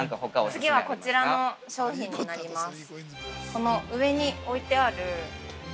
◆次はこちらの商品になります。